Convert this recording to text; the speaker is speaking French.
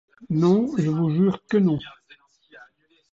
Non, je vous jure que non…